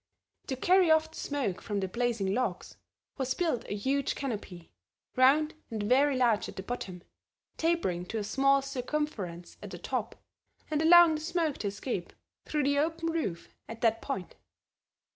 To carry off the smoke from the blazing logs, was built a huge canopy, round and very large at the bottom, tapering to a small circumference at the top, and allowing the smoke to escape through the open roof at that point.